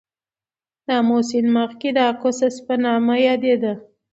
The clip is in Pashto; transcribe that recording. د آمو سیند مخکې د آکوسس په نوم یادیده.